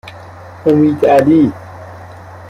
امیدعلی